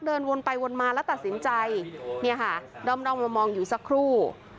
เดินวนไปวนมาแล้วตัดสินใจเนี่ยค่ะด้อมมองอยู่สักครู่